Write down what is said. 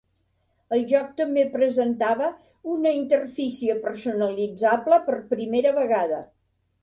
El joc també presentava una interfície personalitzable per primera vegada.